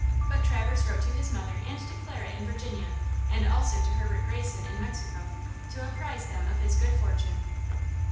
But Traverse wrote to his mother and to Clara in Virginia, and also to Herbert Greyson in Mexico, to apprise them of his good fortune.